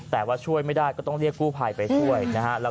แต่ว่าช่วยไม่ได้ก็ต้องเรียกกู้ภัยไปช่วยนะฮะ